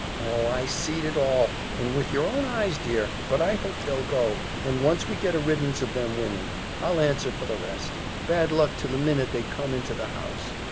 Oh! I seed it all, and with your own eyes, dear but I hope they'll go and once we get a riddance of them women. I'll answer for the rest. Bad luck to the minute they come into the house!